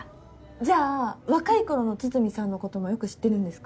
じゃあ若い頃の筒見さんのこともよく知ってるんですか？